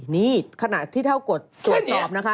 นี่ขณะที่เท่ากดตรวจสอบนะคะ